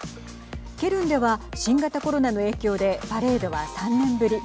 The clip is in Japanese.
ケルンでは新型コロナの影響でパレードは３年ぶり。